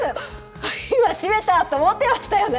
今、しめたと思ってましたよね？